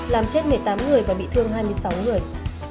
làm chết một mươi tám người và bị thương hai mươi sáu người